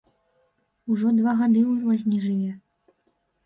Ужо два гады ў лазні жыве.